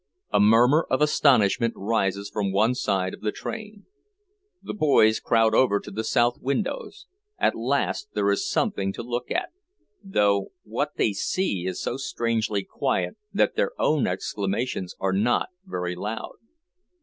A murmur of astonishment rises from one side of the train. The boys crowd over to the south windows. At last there is something to look at, though what they see is so strangely quiet that their own exclamations are not very loud.